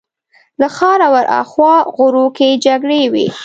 له ښاره ورهاخوا غرو کې جګړې وې.